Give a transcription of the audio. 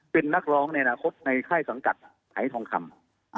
เป็นนักร้องในอนาคตในค่ายสังกัดหายทองคำ